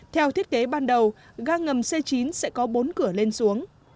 theo thiết kế ban đầu ga ngầm c chín sẽ có bốn cửa lên xuống